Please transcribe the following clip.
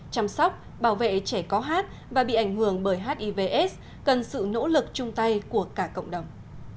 chăm sóc bảo vệ trẻ có hát và bị ảnh hưởng bởi hiv aids cần sự nỗ lực chung tay của cả cộng đồng